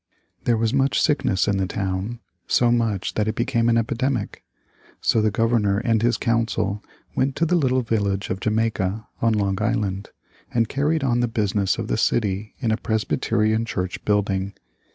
There was much sickness in the town so much that it became epidemic. So the Governor and his council went to the little village of Jamaica, on Long Island, and carried on the business of the city in a Presbyterian church building.